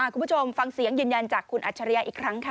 คุณผู้ชมฟังเสียงยืนยันจากคุณอัจฉริยะอีกครั้งค่ะ